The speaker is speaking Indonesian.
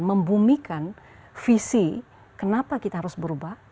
membumikan visi kenapa kita harus berubah